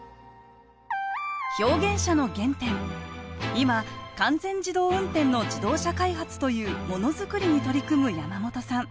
今完全自動運転の自動車開発というものづくりに取り組む山本さん。